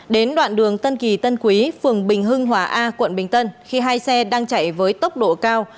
đến đoạn đường tân kỳ tân quý phường bình hưng hòa a quận bình tân khi hai xe đang chạy với tốc độ cao